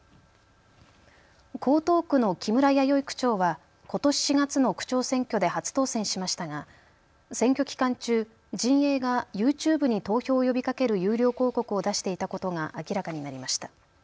江東区の木村弥生区長はことし４月の区長選挙で初当選しましたが選挙期間中、陣営がＹｏｕＴｕｂｅに投票を呼びかける有料広告を出していたことが明らかになりました。